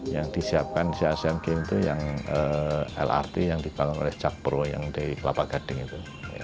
yang disiapkan di asean games itu yang lrt yang dibangun oleh jakpro yang di kelapa gading itu